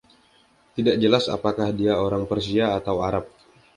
Tidak jelas apakah dia orang Persia atau Arab.